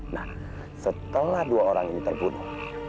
nah setelah dua orang ini terbunuh